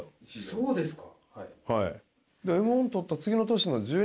そうですね。